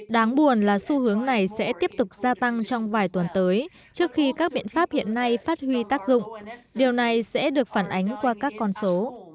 đáng buồn là xu hướng này sẽ tiếp tục gia tăng trong vài tuần tới trước khi các biện pháp hiện nay phát huy tác dụng điều này sẽ được phản ánh qua các con số